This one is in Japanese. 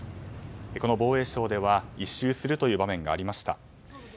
この防衛省では１周するという場面がありました。